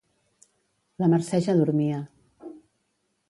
La Mercè ja dormia.